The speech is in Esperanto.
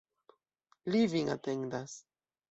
Li vin atendas.